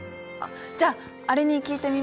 じゃああれに聞いてみま。